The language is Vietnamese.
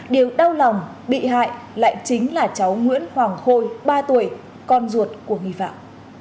điều đau lòng bị hại lại chính là cháu nguyễn hoàng khôi ba tuổi con ruột của nghi phạm